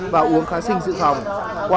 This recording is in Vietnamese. và uống kháng sinh dự phòng qua